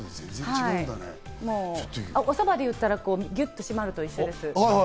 おそばで言ったらぎゅっと締まるのと一緒です。